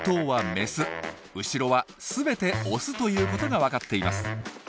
後ろは全てオスということが分かっています。